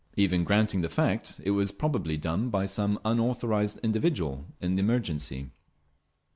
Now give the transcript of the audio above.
Even granting the fact, it was probably done by some unauthorised individual, in the emergency.